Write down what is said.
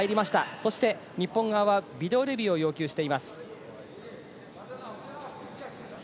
そして日本側はビデオレビューを要求しています。